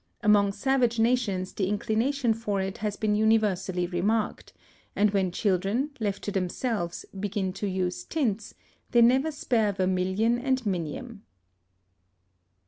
Among savage nations the inclination for it has been universally remarked, and when children, left to themselves, begin to use tints, they never spare vermilion and minium.